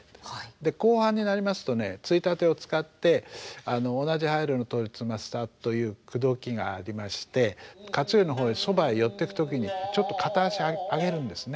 で後半になりますとねついたてを使って「同じ羽色の鳥翼」というクドキがありまして勝頼の方へそばへ寄っていく時にちょっと片足上げるんですね。